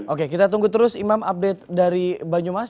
oke kita tunggu terus imam update dari banyumas